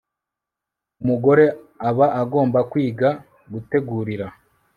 umugore aba agomba kwiga gutegurira